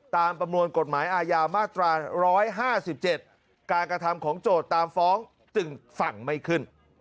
ตามประมวลกฎหมายอาญามาตราร้อยห้าสิบเจ็ดการกระทำของโจทย์ตามฟ้องจึงฝั่งไม่ขึ้น